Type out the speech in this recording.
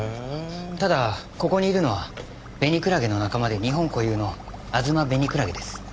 ただここにいるのはベニクラゲの仲間で日本固有のアズマベニクラゲです。